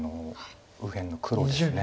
右辺の黒ですね。